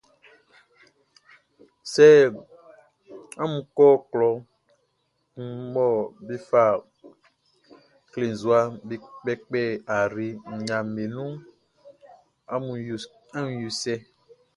Sɛ amun kɔ klɔ kun mɔ be fa klenzua be kpɛkpɛ ayre nɲaʼm be nunʼn, amun yo cɛ.